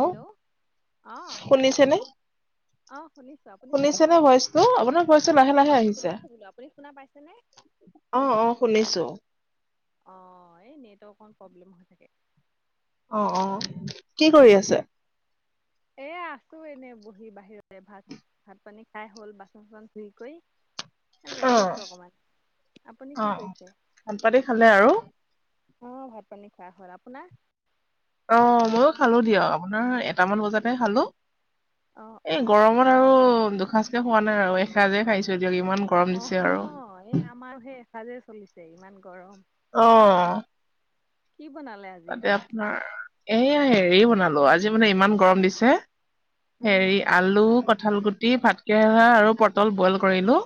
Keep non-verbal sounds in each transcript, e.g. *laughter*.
Hello অ',। শুনিছেনে অ', শুনিছো, আপুনি শুনিছে? শুনিছেনে ভইচটো আপোনাৰ ভইচটো লাহে লাহে অ', আহিছে শুনিছো বোলো আপুনি শুনা পাইছেনে? *inaudible* অ', অ', শুনিছো। অ', এই নেটৱকণ প্ৰব্লেম হৈ থাকে। অ', অ', কি কৰি আছে? এ আছো এনে, বহি বাহিৰতে ভাত। ভাত পানী খাই হ'ল বাচন চাচন ধুই কৰি। অ বহি আছো অকমান, আপুনি অ কি কৈছে? ভাত পানী খালে আৰু অ', ভাত পানী খোৱা হ'ল আপোনাৰ? অ', ময়ো খালো দিয়ক আপোনাৰ এটামান বজাতে খালো অ অ এই গৰমত। আৰু দুসাঁজকে খোৱা নাই আৰু এসাঁজে খাইছো দিয়ক ইমান গ- অ হ এই আমাৰো সেই এসাঁজে চলিছে ইমান গৰম অ। কি বনালে আজি? তাতে এইয়া হেৰি বনালো আজি মানে ইমান গৰম দিছে, উম হেৰি আলু, কঠাল গুটি, ভাতকেৰেলা আৰু পটল বইল কৰিলো।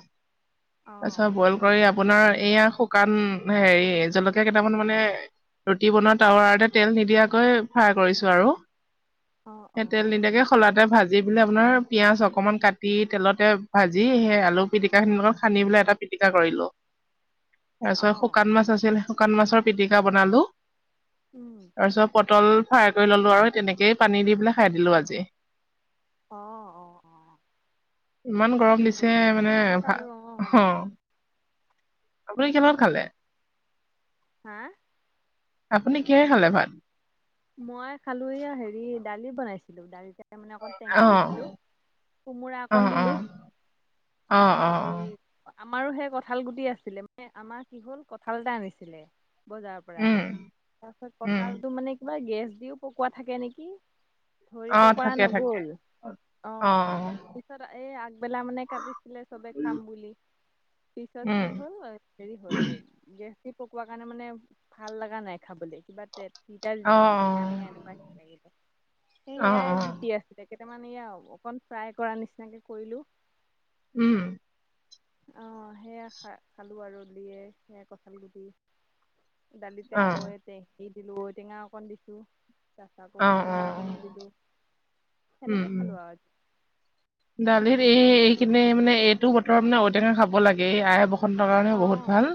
অ তাৰপিছত বইল কৰি আ- পোনাৰ এয়া শুকান হেৰি জলকীয়া কেইটামান মানে, ৰুটি বনোৱা টাৱাৰতে তেল নিদিয়াকৈ ফ্ৰাই কৰিছো আৰু, অ। হে অ তেল নিদিয়াকে, খলাতে ভাজি পেলাই আপোনাৰ পিঁয়াজ অকণমান কাটি তেলতে ভাজি সেই আলু পিটিকাখিনি লগত সানি পেলাই এটা - পিটিকা কৰিলো। *inaudible* তাৰ পিছত শুকান মাছ আছিল শুকান মাছৰ পিটিকা বনালো। উম। তাৰপিছত পটল ফ্ৰাই কৰি ল'লোঁ আৰু তেনেকেই পানী দি পেলাই খাই দিলোঁ আজি। অ অ অ, ইমান গৰম ঠিকেই দিছে কৰিলে মানে ভা গৰমত আৰু অ অ। অঁ আপুনি কিহৰ লগত তাকেহে খালে? হা? আপুনি কিহেৰে খালে ভাত? মই খালো এইয়া হেৰি দালি বনাইছিলো দালিতে মানে অকণ টেঙা দি অঁ দিলো। কোমোৰা অঁ অকণ অঁ দিলো, অঁ অঁ তাৰপিছত হে- অঁ ৰি, আমাৰো সেই কঁঠাল গুটি আছিলে মানে আমাৰ কি হল কঁঠাল এটা আনিছিলে বজাৰ পৰা, উম, তাৰপিছত উম, কঠালটো মানে কিবা গেছ দিও পকোৱা থাকে নেকি, ধৰিব অ', পৰা থাকে থাকে নগল অ, পিছত এই আগবেলা মানে কাটিছিলে চবে খাম বুলি পিছত উম, কি হল, এ- হেৰি হ'ল এই গেছ দি পকোৱা কাৰণে মানে ভাল লগা নাই খাবলে, কিবা তে তিতাল অ', টেঙা টেঙা এনেকুৱা নিচিনা লাগিলে, অ', অ', সেয়াই অ', গুটি আছিল। কেইটামান এই আও অকণ ফ্ৰাই কৰা নিচিনাকে কৰিলোঁ। উম। অ সেইয়া খা খালো আৰু দিয়ে সেইয়া কঠাল গুটি দালিতে অ', ঐটৈ সেই দিলোঁ ঔটেঙা অকণ দিছোঁ। তাৰপিছত আকৌ অ', কোমোৰা অকণো অ', দিলো। উম, সেনেকে উম, খালোঁ আও দালিত এই এইখিনি মানে এইটো বতৰত মানে ঔটেঙা খাব লাগে এই আই বস- সন্তৰ কাৰণেও বহুত অঁ ভাল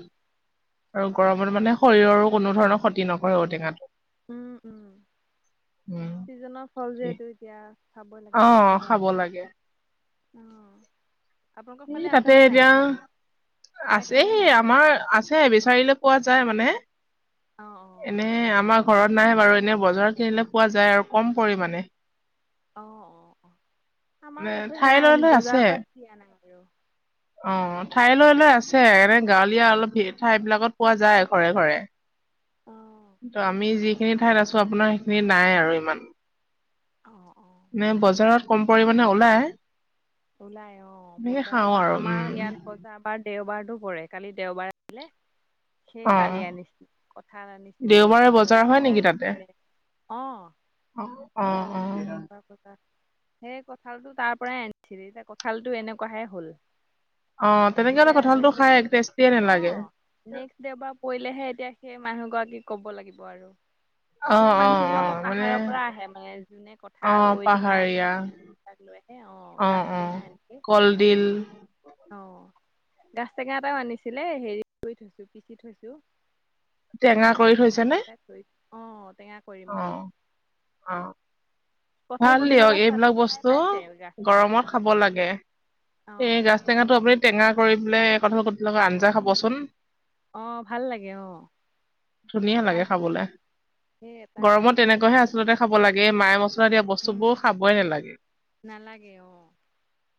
আৰু গৰমত অঁ মানে, শৰীৰৰো কোনো ধৰণৰ ক্ষতি নকৰে ঔটেঙাটো। উম উম, উম, চিজনৰ ফল যে ঠিকেই। এইটো এতিয়া। খাবই অ খাব লাগে। অ আপোনালোকৰ এই ফালে তাতে আছেনে এতিয়া নাই? আছে খাইছেনে নাই এই আপোনালোকৰ আমাৰ আ- ছে, বিচাৰিলে পোৱা যায় মানে, অঁ অঁ এনেই আমাক ঘৰত নাই বাৰু এনে বজাৰত কিনিলে পোৱা যায় আৰু কম পৰিমাণে। অ অ অ, মানে আমাৰ এইফালে ঠাই লৈ নাই লৈ আছে বজাৰ পৰা কিনি অনে আৰু। অ ঠাই লৈ লৈ আছে এনে গাঁৱলীয়া অলপ হে ঠাই বিলাকত পোৱা যায় ঘৰে ঘৰে। অ ত' আমি যিখিনি ঠাইত আছো আপোনাৰ সেইখিনি নাই আৰু ইমান। অঁ অঁ নে বজাৰত কম পৰিমাণে ওলায়। ওলাই অ বজাৰ বা আৰু উম আমাৰ ইয়াত বজাৰ বাৰ দেওবাৰতো পৰে কালি দেওবাৰ আছিলে। সেই অ কালি আনিছিল কঠাল আনিছিলে দেওবাৰে তাৰপিছত বজাৰ হয় ঔটেঙা নেকি তাতে আনিছিলে, অ অ অ অ পকা পকা, সেই কঁঠালটো তাৰ পৰাই আনিছিল এতিয়া কঁঠালটো এনেকুৱাহে হল। অ তেনেকে হলে এতিয়া কঁঠালটো নেক্স খাই টেষ্টিয়ে অ নালাগে। নেক্সট দেউবাৰ পৰিলেহে এতিয়া সেই মানুহ গৰাকীক ক'ব লাগিব আৰু, অ সেই অ মানুহ খিনি অ আকৌ মানে পাহাৰৰ পৰা আহে মানে যোনে ক, অ ঠাল ঔটেঙা পাহাৰীয়া এনেবিলাক লৈ আহে অঁ অ গাাজ অ টেঙা এনেকে, কলডিল অ গাছ টেঙা এটাও আনিছিলে হেৰি কৰি থৈছো, পিচি থৈছো। টেঙা পিহনাত কৰি থৈছেনে পিহুকেইটা থৈ, অ টেঙা কৰিম অ মানে। অ, কঁঠাল ভাল গুটিৰ দিয়ক লগত চাট এইবিলাক খাই বস্তু পাইছে গাছ টেঙা গৰমত খাব লাগে। অ এ গাজ, টেঙাটো আপুনি টেঙা কৰি পেলাই কঠাল গু, লগত অ আঞ্জা খাবচোন, অ ভাল লাগে অ ধুনীয়া লাগে খাইছো খাবলে সেই এটা গৰমত তেনেকুৱা এটা হে আচলতে খাব লাগে মায় মছ, লা দিয়া উম বস্তুবোৰ খাবই নালাগে, নালাগে অ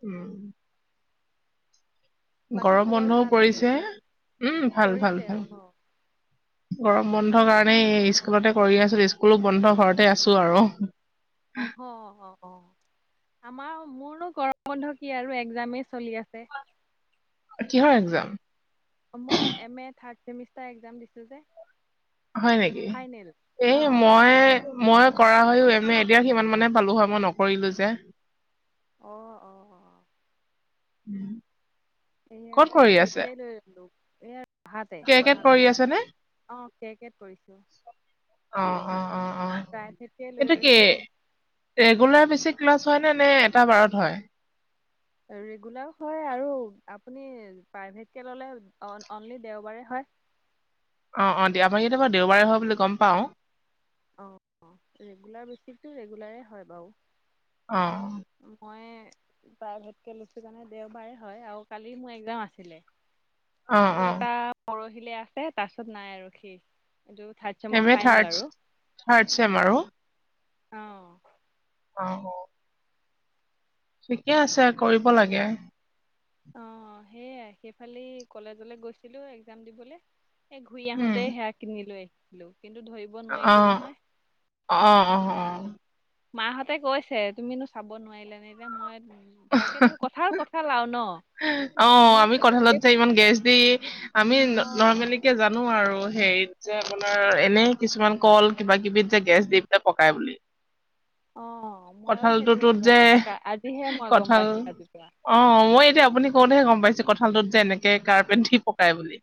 উম বাকী গৰম খবৰ বন্ধও ভাল আৰু পৰিছে উম ভাল ভাল কৰিছে ভাল অ অ, গৰম বন্ধ কাৰণে স্কুলতে কৰি আছিলো স্কুলো বন্ধ ঘৰতে আছো আৰু, অহ অ অ আমাৰ মোৰনো গৰম বন্ধ কি আৰু এক্সাম মেই চলি আছে। কিহৰ একজাম? মই M A third semester exam দিছোঁ যে, হয় নেকি, ফাইনেল এই অ মই মই কৰা হয় উ এম এ এতিয়া সিমান মানে পালো হয় মই নকৰিলো যে। অ অ অ *inaudible* এয়া ক'ত কৰি প্ৰাইভেট আছে কৈ লৈ ললো, এয়া ৰবাতে কে কেত ৰহা কৰি কলেজ, আছে নে অঁ কে কেত কৰিছোঁ। অ অ অ অ প্ৰাইভেটকে লৈ সেইটো কি, লৈছো ৰেগুলাৰ বেছিক ক্লাছ হয় নে, নে এটা বাৰত হয়? ৰেগুলাৰ হয় আৰু আপুনি প্ৰাইভেটকে ল'লে অন অনলি দেওবাৰে হয়। অ অ দিয়া ভাৰি হতৰ বাৰু দেওবাৰে হয় বুলি গম পাওঁ। অ অ ৰেগুলাৰ বেচিকটো ৰেগুলাৰেই হয় বাৰু, অ মই প্ৰাইভেট কে লৈছো কাৰণে দেওবাৰে হয় আৰু কালি মোৰ এক্জাম আছিলে। অ আকৌ অ এটা পৰহিলে আছে তাৰপিছত নাই আৰু শেষ এইটো থাৰ্ড, চেমৰ এম এ ফাইনেল থাৰড আৰু থাৰ্ড ছেম আৰু, অ। অ। ঠিকে আছে কৰিব লাগে। অ সেয়াই সেইফালেই কলেজলৈ গৈছিলোঁ এক্সাম দিবলৈ। ঘূৰি উম আহোঁতে সেয়া কিনিলৈ আহিলোঁ কিন্তু ধৰি অ, অ, অ অহ। মাহঁতে কৈছে তুমিনো চাব নোৱাৰিলা নে এতিয়া মই ভালকে ধৰ কথাৰ কথ চালাওঁ নহ। অ আমি কঠালত যে ইমান গেছ আৰু দি আমি নৰ্মেলি। অ জানোঁ আৰু হেৰিত যে আপোনাৰ এনেই কিছুমান কল কিবা কিবিত যে গেছ দি পেলাই পকাই বুলি। অ মইও সেইটো কঁঠালটোতোত যে নাজানোঁ আজিহে মই গম কঁঠাল পাইছোঁ ৰাতিপুৱা। অ মই এতিয়া আপুনি কওঁতহে গম পাইছোঁ কঁঠালটোত যে এনেকে কাৰপেট দি পকাই বুলি।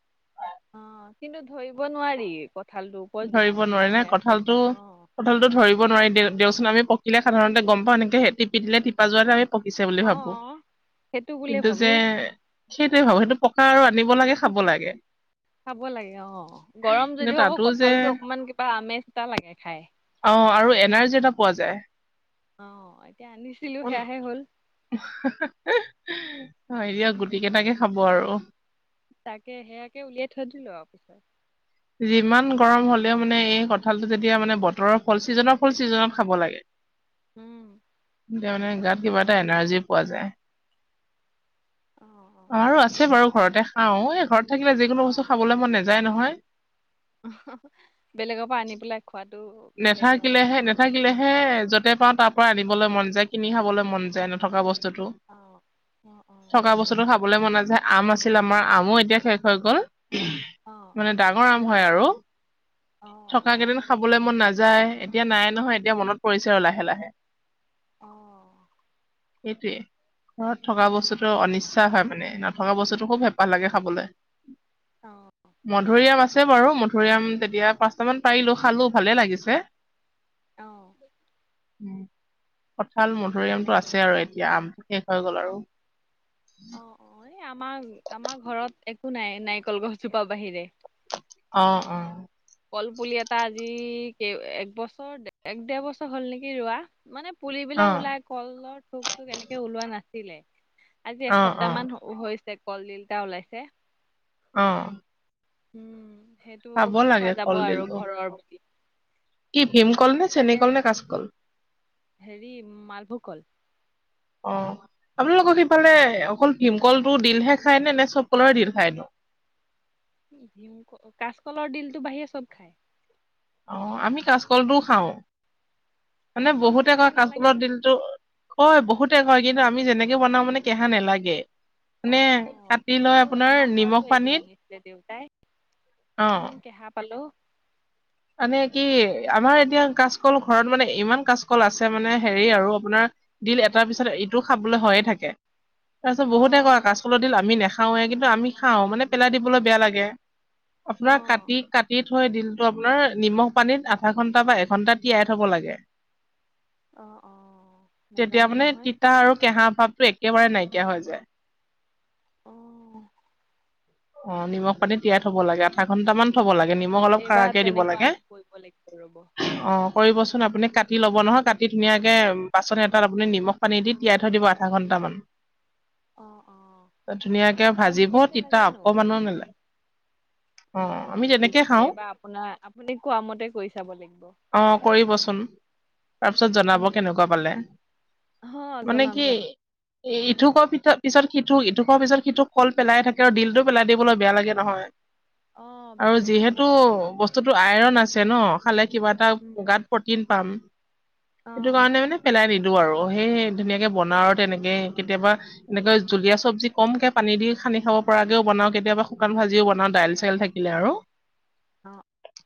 অ কিন্তু ধৰিব নোৱাৰি কঁঠালটোৰ ওপৰত যিমান ধুনীয়া হৈ আছে, একদম অ। কঠলটো ধৰিব নোৱাৰি দেওচোন আমি পকিলে সাধাৰণতে গম পাওঁ এনেকে টপি দিলে টিপা যোৱাতে আমি পকিছে বুলি অ ভাৱোঁ। অ সেইটো বুলিয়ে কিন্তু ভাবো যে সেইটোৱে ভাৱোঁ সেইটো পকা আৰু আনিব লাগে খাব লাগে। খাব লাগে অ, গৰম কিন্তু যদিও হ'ব তাতো যে কঁঠালটো অকমান কিবা আমেজ এটা লাগে খাই। অ আৰু এনাৰ্জি এটা পোৱা যায়। অ এতিয়া আনিছিলো সেয়াহে হ'ল। অ এইয়া গুটি উম, কেইটাকে খাব আৰু। তাকে সেয়াকে উলিয়াই থৈ দিলোঁ আৰু পিছত। যিমান গৰম হ'লেও মানে এই কঁঠালটো যেতিয়া মানে বতৰৰ ফল চিজনৰ ফল চিজনত খাব লাগে। উম। তেতিয়া মানে গাত কিবা এটা এনাৰ্জি পোৱা যায়। অ আমাৰো আছে বাৰু ঘৰতে খাওঁ এই ঘৰত থাকিলে যিকোনো অ অ বস্তু খাবলৈ মন নাযা যায় নহয়। *inaudible* বেলেগৰ পৰা আনি পেলাই খোৱাটো। বেলেগ আৰু। নেথাকিলে নাথাকিলেহে য'তে পাওঁ তাৰ পৰা আনিবলৈ মন যায় কিনি খাবলৈ মন যায় নথকা বস্তুটো। অ অ অ থকা বস্তুটো খাবলৈ মন নাযায় আম আছিলে আমাৰ আমো এতিয়া শেষ হৈ গ'ল। মানে ডাঙৰ আম হয় আৰু। অ থকা অ কেইদিন খাবলৈ মন নাযায় এতিয়া নাই নহয় এতিয়া মনত পৰিছে আৰু লাহে, লাহে। অ। সেইটোৱে ঘৰত থকা উম বস্তুটো অনিশ্চ *unintelligible* হয় মানে নথকা বস্তুটো খুব হেপাহ লাগে খাবলৈ। অ। মধুৰিআম আছে বাৰু মধুৰিআম তেতিয়া পাঁচটামান পাৰিলোঁ খালোঁ ভালে লাগিছে। অ। কঠাল মধুৰিআমটো আছে আৰু এতিয়া আমটো শেষ হৈ গ'ল আৰু। অ, অ এই আমাৰ আমাৰ ঘৰত একো নাই নাৰিকল গছজোপা বাহিৰে। অ, অ। কলপুলি এটা আজি এক বছৰ এক দেৰ বছৰ হ'ল নেকি ৰোৱা। মানে অ পুলিবিলাক ওলাই কলৰ থোক চোক এনেকে ওলোৱা নাছিলে। আজি অ অ এসপ্তাহ মান হৈছে কলডিল এটা ওলাইছে। অ'। উম, সেইটো খাব লাগে খোৱা যাব আৰু কলডিলটো ঘৰৰ প্ৰতি। কি ভীম কলনে, চেনি কলনে, কাচকল? হেৰি মালভোক কল। অ'। আপোনালোকৰ সিফালে অকল ভীমকল টো দিলহে খায় নে নে চব কলৰে দিল খায় নো? ভিম কাচকলৰ দিলটো বাহিৰে চব খায়। অ' আমি কাচকলটোও খাওঁ, মানে কাচকলটো বহুতে কেহা কয় নালাগে কাচকলৰ জানো? দিলটো কয় বহুতে কয়, কিন্তু আমি যেনেকে বনাও মানে কেহা নালাগে। অ মানে কাটি লৈ ত আপোনাৰ আমাৰ ঘৰতো নিমখ এদিন পানীত আনিছিলে দেউতাই অ ইমান কে'হা পালো। মানে কি আমাৰ এতিয়া কাচকল ঘৰত মানে ইমান কাচকল আছে মানে হেৰি আৰু আপোনাৰ দিল এটাৰ পিছত ইটো খাবলৈ হয়য়ে থাকে। তাৰপিছত অ বহুতে কয় কাচকলৰ দিল আমি নাখাওঁৱে, কিন্তু আমি খাওঁ মানে পেলাই দিবলৈ বেয়া লাগে। অ আপোনাৰ কাটি কাটি থৈ দিলটো আপ আপোনাৰ নিমখ পানীত আধা ঘন্টা বা এঘন্টা তিয়াই থব লাগে। অ', অ', তেতিয়া নাজানো মানে নহয়। তিতা আৰু কে'হা ভাৱটো এক একেবাৰে নাইকিয়া হৈ যায়। অ'। অ', নিমখ পানীত তিয়াই থ'ব লাগে। আধা ঘন্টামান থব লাগে নিমখ অলপ এইবাৰ কাৰাকে দিব তেনেকুৱা লাগে। কৰিব লাগিব ৰ'ব। অ', কৰিবচোন আপুনি কাটি লব নহয় কাটি ধুনীয়াকে বাচন এটাত আপুনি নিমখ পানী দি তিয়াই থৈ দিব আধা ঘণ্টামান। *inaudible* অ', অ', ধুনীয়াকে মই ভাজিব বিশেষকে তিতা নাজানো অকমানো নেলাগে। অ', আমি অ', তেনেকে ঠিক আছে, খাওঁ এইবাৰ আপোনাৰ আপুনি কোৱা মতে কৰি চাব লাগিব। অ', কৰিবচোন তাৰপিছত জনাব উম কেনেকুৱা পালে? অ', জনাম জনাম। ইথোকৰ পিছত সিথোক ইথোকৱৰ পিছত সিথোক কল পেলাই থাকে। আৰু দিলটো পেলাই দিবলৈ বেয়া লাগে নহয় অ বেয়া আৰু। লাগেতো। যিহেতু বস্তু বস্তুটো আইৰণ আছে ন খালে কিবা এটা উম গাত প্ৰটিন পাম। অ সেইটো কাৰণে মানে পেলাই নিদিও আৰু, সেই ধুনীয়াকে বনাওঁ আৰু তেনেকে কেতিয়াবা এনেকে জুলীয়া চব্জি কমকে পানী দি সানি খাব পৰা ও বনাও, কেতিয়াবা শুকান ভাজিও বনাও, দাইল চাইল থাকিলে আৰু। অ'।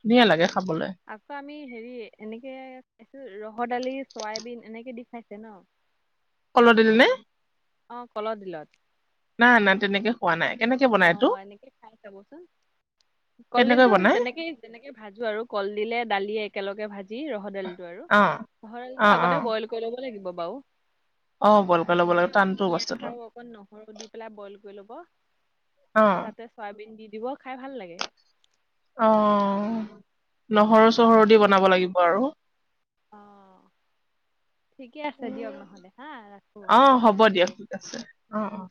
ধুনীয়া লাগে খাবলৈ। আকৌ আমি হেৰি এনেকে খাইছো, ৰহৰ দালি চয়াবিন এনেকে দি খাইছে ন'? কলৰ দিল নে? অ', কলৰ দিলত। নাই অনা তেনেকে। খোৱা নাই। কেনেকে বনাই এইটো অ', এনেকে খাই চাবচোন। কেনেকৈ কলডিলটো বনাই তেনেকেই যেনেকে ভাজো আৰু কলডিলে দালিয়ে একেলগে ভাজি ৰহৰ দালিটো আৰু। অ ৰহৰ অ দালিটো অ আগতে বইল কৰি ল'ব লাগিব বাৰু। অ বলকৈ ল'ব লাগে সেনেকে অকন টানটো পিয়াজ বস্তুটো আৰু অকন নহৰু দি পেলাই বইল কৰি ল'ব। অ তাতে চয়াবিন দি দিব, খাই ভাল লাগে। অ', নহৰু- চহৰু দি বনাব লাগিব আৰু। অ'। ঠিকে আছে দিয়ক নহ'লে হাঁ ৰাখোঁ অ পিছত হ'ব ফোন দিয়ক ঠিক আছে অ কৰিম অ উম।